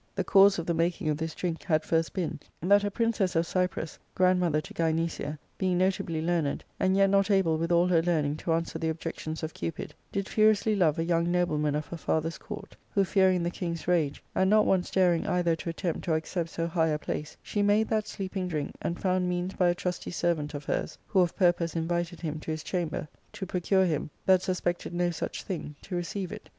The cause of the making of this drink had first been, that a princess of Cyprus, grandmother to Gynecia, being not ably learned, and yet not able with all her learning to answer the objections of Cupid, did furiously love a young noble man of her father's court, who fearing the king's rage, and not once daring either to attempt or accept so high a place, she made that sleeping drink, and found means by a trusty servant of hers, who of purpose invited him to his chamber, to procure him, that suspected no such thing, to receive it.